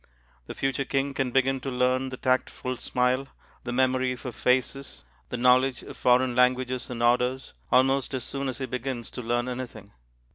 The future King can begin to learn the "tactful smile," the "memory for faces," the knowledge of foreign languages and orders, almost as soon as he begins to learn anything.